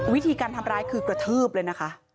วิธีการทำร้ายคือกระทืบเลยนะคะ